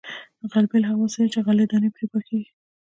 غلبېل هغه وسیله ده چې غلې دانې پرې پاکیږي